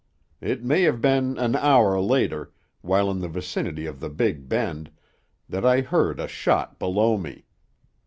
It may have been an hour later, while in the vicinity of the big bend, that I heard a shot below me.